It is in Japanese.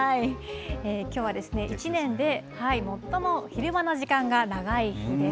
きょうは一年で最も昼間の時間が長い日です。